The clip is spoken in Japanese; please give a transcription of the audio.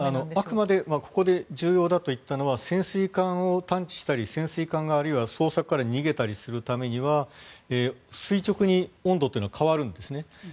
あくまでここで重要だと言ったのは潜水艦を探知したり潜水艦があるいは捜索から逃げたりするためには垂直に温度というのは変わるんですね。